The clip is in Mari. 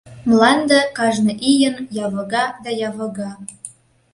Мланде кажне ийын явыга да явыга.